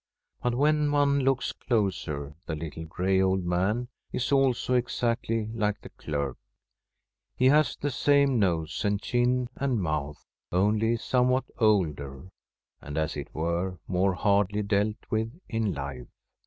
But when one looks closer, the little gray old man is also exactly like the derk ; he has the same nose and chin and mouth, only somewhat older, and, as it were, more hardly dealt with in life.